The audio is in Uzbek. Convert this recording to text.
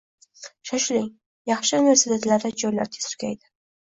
Shoshiling, yaxshi universitetlarda joylar tez tugaydi.